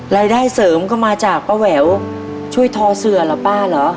รายได้เสริมก็มาจากป้าแหววช่วยทอเสือเหรอป้าเหรอ